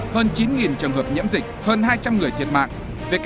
hơn chín trường hợp nhiễm dịch hơn hai trăm linh người thiệt mạng